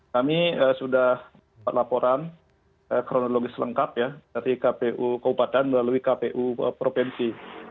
kami sudah laporan kronologis lengkap ya dari kpu kabupaten melalui kpu provinsi